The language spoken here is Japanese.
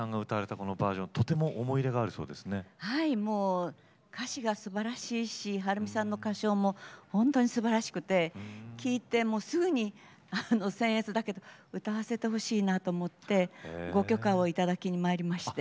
もう歌詞がすばらしいしはるみさんの歌唱もほんとにすばらしくて聴いてもうすぐにせん越だけど歌わせてほしいなと思ってご許可を頂きに参りまして。